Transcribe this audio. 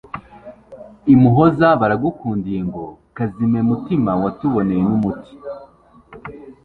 I Muhoza baragukundiye ngo kazime mutima watuboneye n'umuti